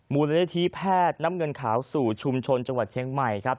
มูลนิธิแพทย์น้ำเงินขาวสู่ชุมชนจังหวัดเชียงใหม่ครับ